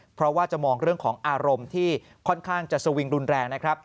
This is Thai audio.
เพราะว่าจะมองเรื่องของอารมณ์ที่ค่อนข้างจะสวิงรุนแรงนะครับ